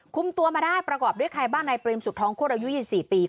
คุมตัวมาได้ประกอบด้วยใครบ้างนายเปรมสุดท้องโคตรอายุ๒๔ปี